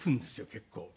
結構。